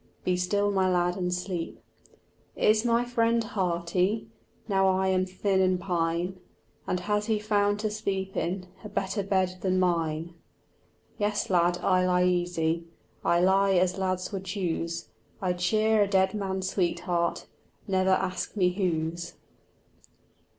Be still, my lad, and sleep. "Is my friend hearty, Now I am thin and pine, And has he found to sleep in A better bed than mine?" Yes, lad, I lie easy, I lie as lads would choose; I cheer a dead man's sweetheart, Never ask me whose.